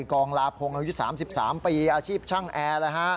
กองลาพงศ์อายุ๓๓ปีอาชีพช่างแอร์